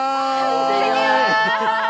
行ってきます！